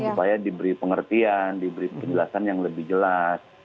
supaya diberi pengertian diberi penjelasan yang lebih jelas